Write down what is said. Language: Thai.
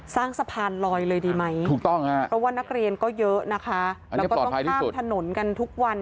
สร้างสะพานลอยเลยดีไหมถูกต้องฮะเพราะว่านักเรียนก็เยอะนะคะแล้วก็ต้องข้ามถนนกันทุกวัน